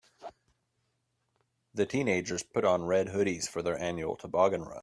The teenagers put on red hoodies for their annual toboggan run.